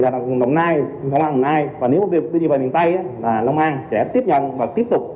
là đồng an sẽ tiếp nhận và tiếp tục